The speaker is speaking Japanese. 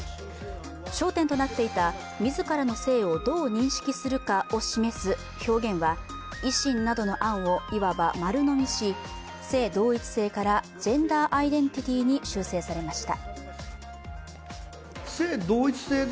商店となっていた自らの性をどう認識するかを示す表現は維新などの案を、いわば丸のみし性同一性からジェンダーアイデンティティに修正されました。